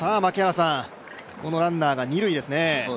このランナーが二塁ですね。